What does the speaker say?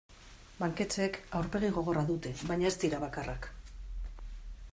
Banketxeek aurpegi gogorra dute baina ez dira bakarrak.